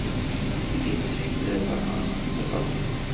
Yessefk ladɣa ad tṣebrem.